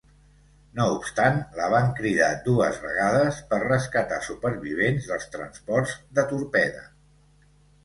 No obstant, la van cridar dues vegades per rescatar supervivents dels transports de torpede.